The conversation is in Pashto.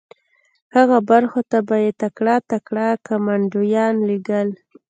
هغو برخو ته به یې تکړه تکړه کمانډویان لېږل